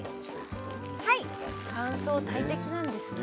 乾燥大敵なんですね。